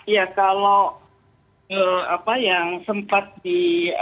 ya kalau apa yang sempat di